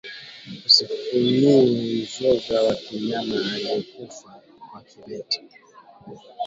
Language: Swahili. Usifunue mzoga wa mnyama aliekufa kwa kimeta